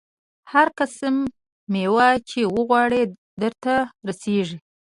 هر قسم مېوه چې وغواړې درته رسېږي.